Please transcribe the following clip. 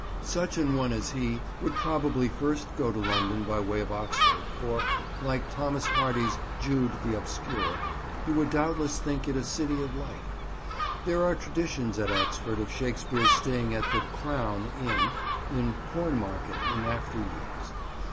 Such an one as he would probably first go to London by way of Oxford, for, like Thomas Hardy's "Jude the Obscure," he would doubtless think it "a city of light." There are traditions at Oxford of Shakespeare's staying at the "Crown" inn in the Cornmarket in after years.